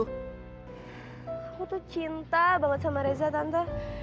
kamu tuh cinta banget sama reza tante